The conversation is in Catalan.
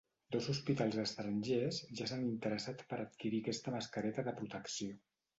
Des d’hospitals estrangers ja s’han interessat per adquirir aquesta mascareta de protecció.